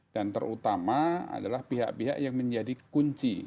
dan terutama adalah pihak pihak yang menjadi kunci